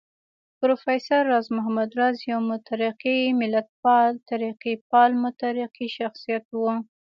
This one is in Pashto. پروفېسر راز محمد راز يو مترقي ملتپال، ترقيپال مترقي شخصيت و